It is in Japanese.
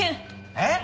えっ！